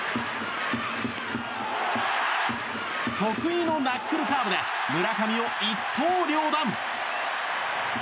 得意のナックルカーブで村上を一刀両断！